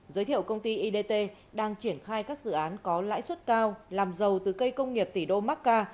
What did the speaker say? giới thiệu công ty idt đang triển khai các dự án có lãi suất cao làm giàu từ cây công nghiệp tỷ đô macca